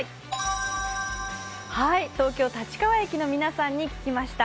東京・立川駅の皆さんに聞きました。